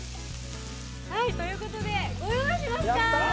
はいということでご用意しましたやったー